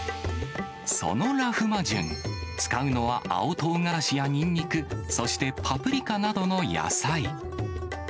そのラフマジュン、使うのは、青とうがらしやにんにく、そしてパプリカなどの野菜。